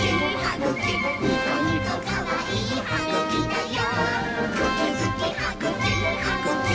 ニコニコかわいいはぐきだよ！」